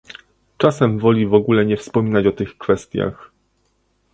Czasem woli w ogóle nie wspominać o tych kwestiach